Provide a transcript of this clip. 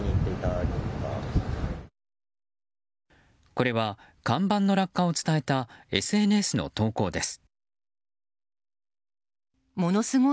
これは看板の落下を伝えたＳＮＳの投稿です。